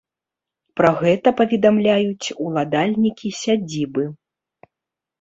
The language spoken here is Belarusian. Пра гэта паведамляюць уладальнікі сядзібы.